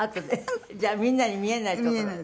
じゃあみんなに見えない所。